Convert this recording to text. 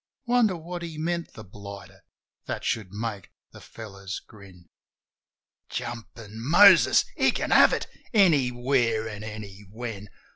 .. Wonder what he meant, the blighter, that should make the fellows grin: ... Jumpin' Moses! ... He can have it! Anywhere an' anywhen!